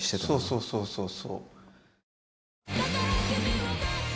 そうそうそうそうそう。